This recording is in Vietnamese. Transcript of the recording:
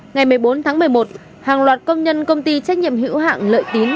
ngày một mươi bốn tháng một mươi một hàng loạt công nhân công ty trách nhiệm hữu hạng lợi tín